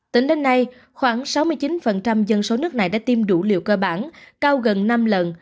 tính đến nay khoảng sáu mươi chín dân số nước này đã tiêm đủ liều cơ bản cao gần năm lần